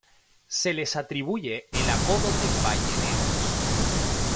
Se les atribuye el apodo de 'balleneros'.